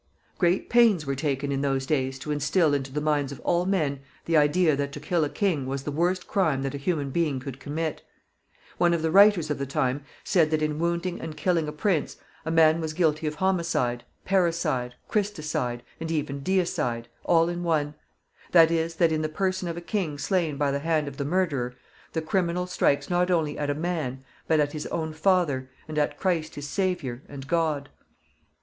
Great pains were taken in those days to instill into the minds of all men the idea that to kill a king was the worst crime that a human being could commit. One of the writers of the time said that in wounding and killing a prince a man was guilty of homicide, parricide, Christicide, and even of deicide, all in one; that is, that in the person of a king slain by the hand of the murderer the criminal strikes not only at a man, but at his own father, and at Christ his Savior, and God.